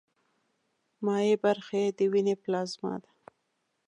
مایع برخه یې د ویني پلازما ده.